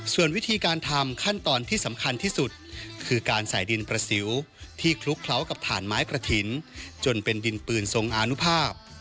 ส่วนวิธีการทำขั้นตอนที่สำคัญที่สุดคือการใส่ดินประสิวที่คลุกเคล้ากับถ่านไม้กระถิ่นจนเป็นดินปืนทรงอานุภาพ